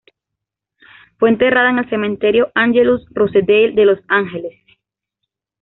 Fue enterrada en el Cementerio Angelus-Rosedale de Los Ángeles.